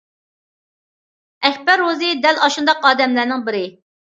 ئەكبەر روزى دەل ئاشۇنداق ئادەملەرنىڭ بىرى.